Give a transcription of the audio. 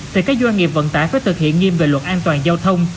thì các doanh nghiệp vận tải phải thực hiện nghiêm về luật an toàn giao thông